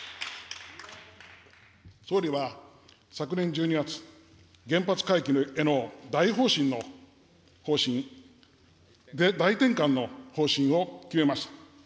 総理は昨年１２月、原発回帰への大方針の、大転換の方針を決めました。